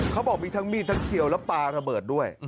เขาบอกมีทั้งมีดทั้งเขียวและปลาระเบิดด้วย